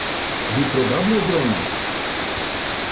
Vi probable dronos.